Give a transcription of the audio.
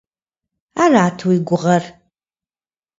Арат уи гугъэр?